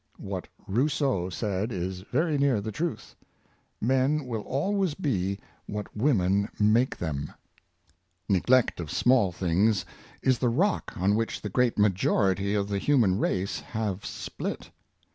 What Rosseau said is very near the truth: "Men will always be what women make them." Neglect of small things is the rock on which the Little Thingrs. 4:41 i? great majority of the human race have spHt.